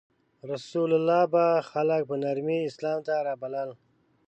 رسول الله به خلک په نرمۍ اسلام ته رابلل.